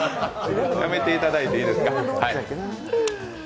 やめていただいていいですか。